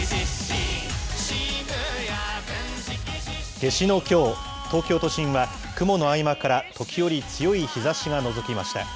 夏至のきょう、東京都心は雲の合間から時折、強い日ざしがのぞきました。